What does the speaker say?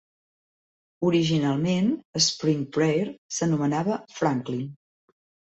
Originalment, Spring Prairie s'anomenava Franklin.